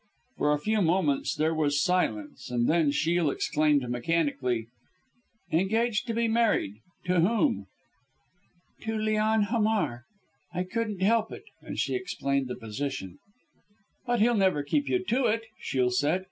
For a few moments there was silence, and then Shiel exclaimed mechanically "Engaged to be married! To whom?" "To Leon Hamar! I couldn't help it." And she explained the position. "But he'll never keep you to it," Shiel said.